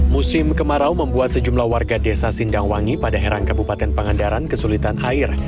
musim kemarau membuat sejumlah warga desa sindangwangi pada herang kabupaten pangandaran kesulitan air